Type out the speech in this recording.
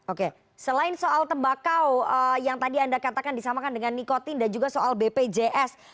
oke selain soal tembakau yang tadi anda katakan disamakan dengan nikotin dan juga soal bpjs